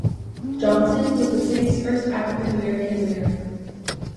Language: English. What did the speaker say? Johnson was the city's first African-American mayor.